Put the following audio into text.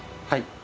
はい。